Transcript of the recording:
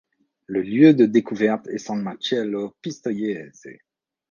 Le lieu de découverte est San Marcello Pistoiese.